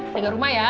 tiga rumah ya